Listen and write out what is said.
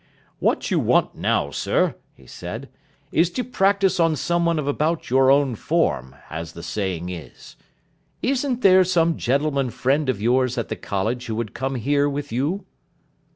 "What you want now, sir," he said, "is to practise on someone of about your own form, as the saying is. Isn't there some gentleman friend of yours at the college who would come here with you?"